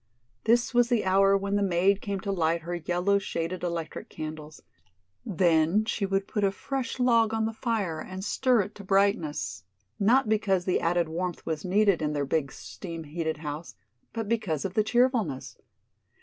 This was the hour when the maid came to light her yellow shaded electric candles; then she would put a fresh log on the fire and stir it to brightness, not because the added warmth was needed in their big steam heated house, but because of the cheerfulness.